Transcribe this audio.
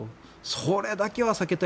それだけは避けたい。